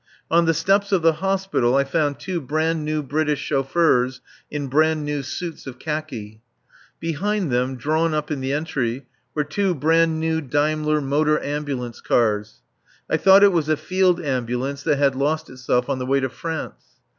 On the steps of the Hospital I found two brand new British chauffeurs in brand new suits of khaki. Behind them, drawn up in the entry, were two brand new Daimler motor ambulance cars. I thought it was a Field Ambulance that had lost itself on the way to France.